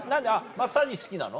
マッサージ好きなの？